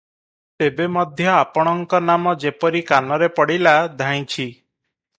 ତେବେ ମଧ୍ୟ ଆପଣଙ୍କ ନାମ ଯେପରି କାନରେ ପଡ଼ିଲା ଧାଇଁଛି ।"